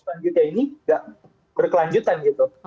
selanjutnya ini gak berkelanjutan gitu